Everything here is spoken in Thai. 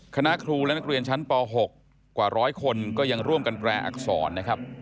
คณะครูและนักเรียนชั้นป๖กว่าร้อยคนก็ยังร่วมกันแปรอักษรนะครับ